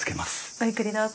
ごゆっくりどうぞ。